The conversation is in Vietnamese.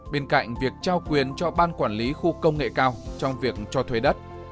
bên cạnh việc trao quyền cho ban quản lý khu công nghệ cao trong việc cho thuê đất